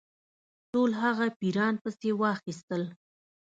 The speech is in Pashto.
ټول هغه پیران پسي واخیستل.